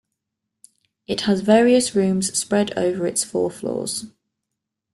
It has various rooms spread over its four floors.